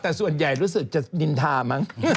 แต่ส่วนใหญ่รู้สึกจะนินทามั้ง